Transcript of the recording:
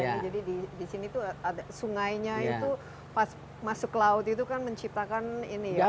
jadi di sini tuh ada sungainya itu pas masuk laut itu kan menciptakan ini ya